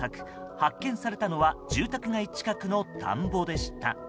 発見されたのは住宅街近くの田んぼでした。